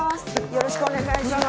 よろしくお願いします。